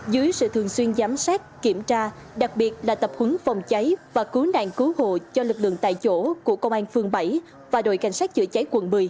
dưới sự thường xuyên giám sát kiểm tra đặc biệt là tập huấn phòng cháy và cứu nạn cứu hộ cho lực lượng tại chỗ của công an phường bảy và đội cảnh sát chữa cháy quận một mươi